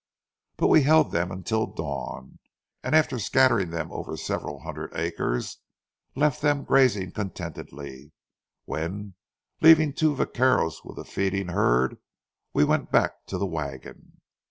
But we held them until dawn, and after scattering them over several hundred acres, left them grazing contentedly, when, leaving two vaqueros with the feeding herd, we went back to the wagon.